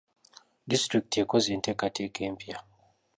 Disitulikiti ekoze enteeketeeka empya.